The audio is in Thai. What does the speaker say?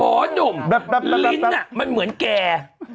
โอ้หนุ่มลิ้นมันเหมือนแก่